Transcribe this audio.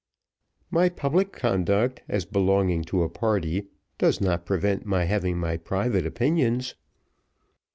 "My public conduct, as belonging to a party, does not prevent my having my private opinions.